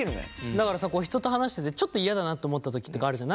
だからさ人と話しててちょっと嫌だなと思った時あるじゃん。